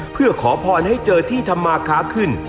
เพื่อขอพรให้เจอที่ทำมาค้าขึ้น